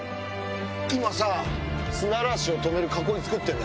今砂嵐を止める囲い作ってんだ。